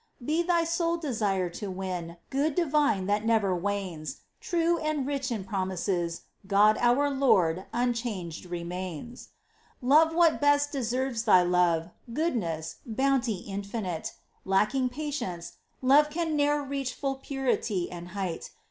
Be thy sole desire to win Good divine that never wanes ; True and rich in promises, God our Lord unchanged remains. Love what best deserves thy love — Goodness, Bounty infinite — Lacking patience, love can ne'er Reach full purity and height.